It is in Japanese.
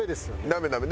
ダメダメ。